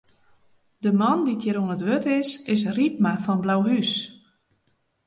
De man dy't hjir oan it wurd is, is Rypma fan Blauhûs.